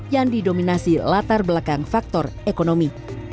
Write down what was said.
yang didominasi latar belakang faktor ekonomi